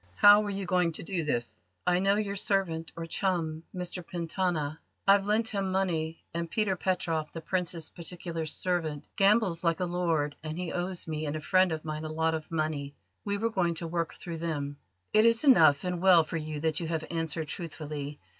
"How were you going to do this?" "I know your servant or chum, Mr Pentana. I've lent him money: and Peter Petroff, the Prince's particular servant, gambles like a lord, and he owes me and a friend of mine a lot of money. We were going to work through them." "It is enough; and well for you that you have answered truthfully.